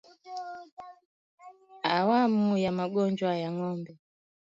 Awamu ya Magonjwa ya Ng'ombe